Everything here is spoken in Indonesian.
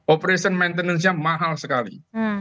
operation maintenance nya mahal sekali